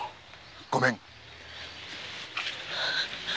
ごめん。